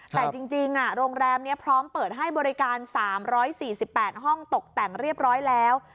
แต่จริงโรงแรมนี้พร้อมเปิดให้บริการ๓๔๘ห้องตกแต่งเรียบร้อยแล้ว